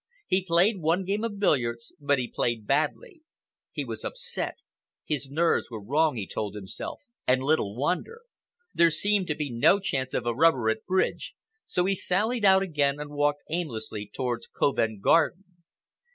He played one game of billiards, but he played badly. He was upset. His nerves were wrong he told himself, and little wonder. There seemed to be no chance of a rubber at bridge, so he sallied out again and walked aimlessly towards Covent Garden.